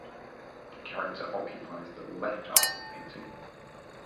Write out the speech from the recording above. The character occupies the left half of the painting.